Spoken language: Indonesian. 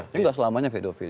itu tidak selamanya pedofil